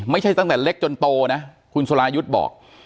ตั้งแต่เล็กจนโตนะคุณสรายุทธ์บอก